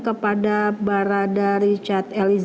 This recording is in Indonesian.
kepada barada richard eliza